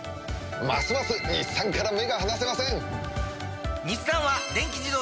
ますます日産から目が離せません！